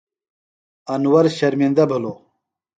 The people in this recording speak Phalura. انور شرمِندہ بِھلوۡ۔